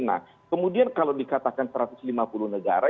nah kemudian kalau dikatakan satu ratus lima puluh negara